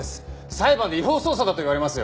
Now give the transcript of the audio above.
裁判で違法捜査だと言われますよ。